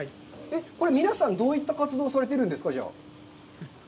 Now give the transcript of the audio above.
これ、皆さんどういった活動をされているんですか？